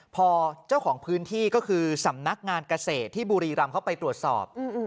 พอเจ้าของพื้นที่ก็คือสำนักงานเกษตรที่บุรีรำเขาไปตรวจสอบ